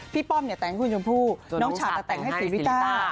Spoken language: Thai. พี่ป้อมแต่งคุณชมพูน้องฉัตต์แต่งให้ศรีวิต้า